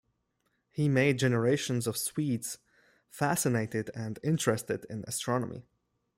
He made generations of Swedes fascinated and interested in astronomy.